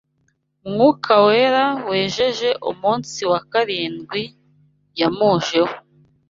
Mwuka Wera wejeje umunsi wa karindwi yamujeho